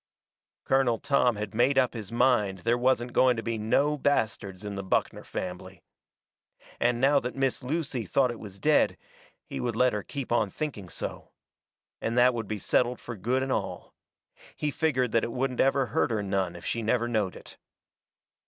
Colonel Tom had made up his mind there wasn't going to be no bastards in the Buckner fambly. And now that Miss Lucy thought it was dead he would let her keep on thinking so. And that would be settled for good and all. He figgered that it wouldn't ever hurt her none if she never knowed it.